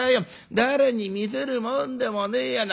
誰に見せるもんでもねえやな。